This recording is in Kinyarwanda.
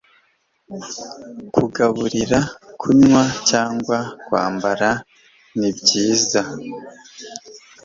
Kugaburira, kunywa cyangwa kwambara; ni byiza